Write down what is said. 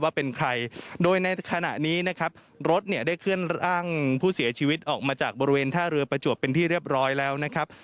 ว่าเป็นใครโดยในขณะนี้นะครับรถเนี่ยได้เคลื่อนร่างผู้เสียชีวิตออกมาจากบริเวณท่าเรือประจวบเป็นที่เรียบร้อยแล้วนะครับ